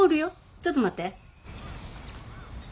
ちょっと待って。